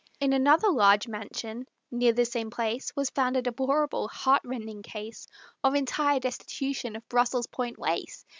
In another large mansion near the same place Was found a deplorable, heartrending case Of entire destitution of Brussels point lace.